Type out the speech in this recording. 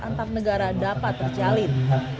antar negara dapat terjalin